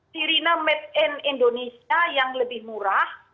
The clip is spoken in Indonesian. sirine made in indonesia yang lebih murah